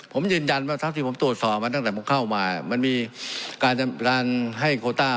ผมยืนยันว่าเท่าที่ผมตรวจสอบมาตั้งแต่ผมเข้ามามันมีการให้โคต้า